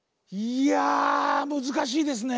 いやむずかしいですね。